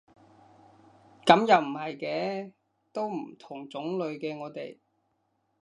噉又唔係嘅，都唔同種類嘅我哋